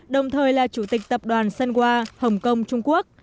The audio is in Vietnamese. đồng thời là chủ tịch tập đoàn sunwa hồng kông trung quốc